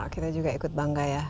kita juga ikut bangga ya